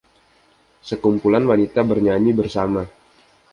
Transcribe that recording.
Sekumpulan wanita bernyanyi bersama.